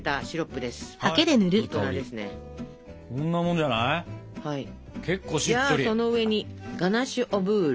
じゃあその上にガナッシュ・オ・ブール。